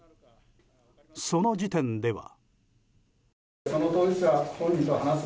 その時点では。